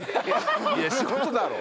いや仕事だろ！